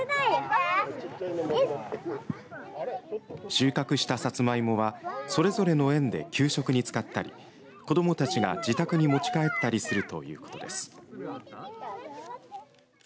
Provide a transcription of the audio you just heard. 収穫したさつまいもはそれぞれの園で給食に使ったり子どもたちが自宅に持ち帰ったりするということです。